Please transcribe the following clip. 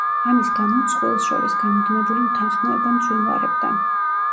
ამის გამო წყვილს შორის გამუდმებული უთანხმოება მძვინვარებდა.